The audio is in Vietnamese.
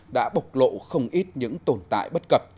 đã bộc lộ không ít những tồn tại bất cập